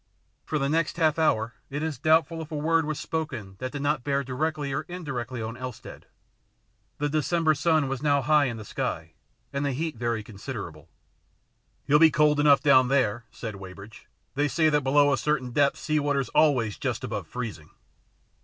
For the next half hour it is doubtful if a word was spoken that did not bear directly or indirectly on Elstead. The December sun was now high in the sky, and the heat very considerable. " He'll be cold enough down there," said Wey bridge. " They say that below a certain depth sea water's always just about freezing."